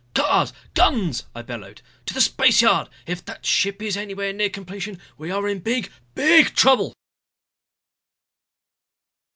"Cars! Guns!" I bellowed. "To the spaceyard. If that ship is anywhere near completion, we are in big, big trouble!"